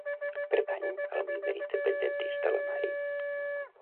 Pertany al moviment independentista la Mari?